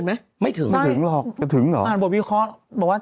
สำหรับของวันนี้เถอะถ่ายมา